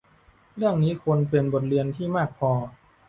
เรื่องนี้ควรเป็นบทเรียนที่มากพอ